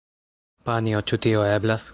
Panjo, ĉu tio eblas?